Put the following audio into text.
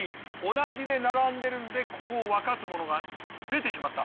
同じで並んでるんでここを分かつものが出てしまった。